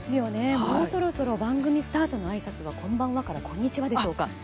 もうそろそろ番組スタートのあいさつはこんばんはからこんにちはでしょうか。